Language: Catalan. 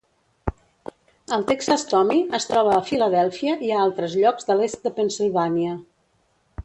El Texas Tommy es troba a Filadèlfia i a altres llocs de l'est de Pennsilvània.